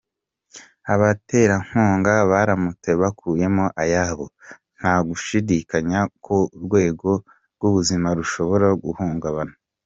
Abaterankunga baramutse bakuyemo ayabo, nta gushidikanya ko urwego rw’ubuzima rushobora guhungabana.